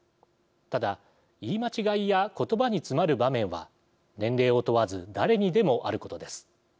ただ言い間違いや言葉に詰まる場面は年齢を問わず誰にでもあることです。